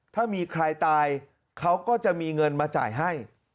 ถ้ามีใครตายเขาก็จะมีเงินมาจ่ายให้